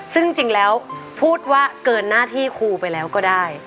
ซึ่งจริงแล้วพูดว่าเกินหน้าที่ครูไปแล้วก็ได้